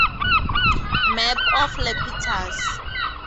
Map of Iapetus